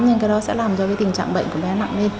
nên cái đó sẽ làm cho tình trạng bệnh của bé nặng lên